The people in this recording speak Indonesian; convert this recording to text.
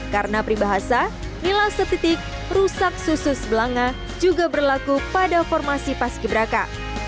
karena pribahasa nilai setitik rusak susu sebelangga juga berlaku pada formasi pas kibraka